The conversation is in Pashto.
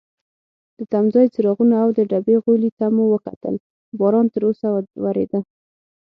د تمځای څراغونو او د ډبې غولي ته مو کتل، باران تراوسه وریده.